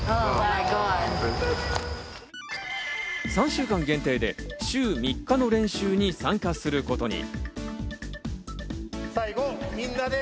３週間限定で週３日の練習に参加することに。